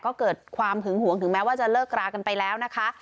ก็เกิดความหึงหวงถึงแม้ว่าจะเลิกรากันไปแล้วนะคะ